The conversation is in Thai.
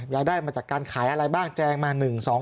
ยายได้มาจากการขายอะไรบ้างแจงมา๑๒๒